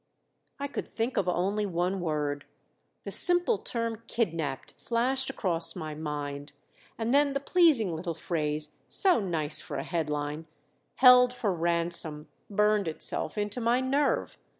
I could think of only one word. The simple term kidnapped flashed across my mind, and then the pleasing little phrase, so nice for a headline, Held for Ransom, burned itself into my nerve.